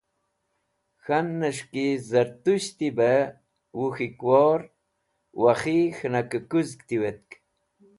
K̃hannẽs̃h ki Zartushti bẽ Wuk̃hikwor/ Wakhi k̃hẽnakẽ kuzg tiwet.